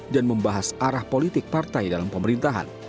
dan membahas arah politik partai dalam pemerintahan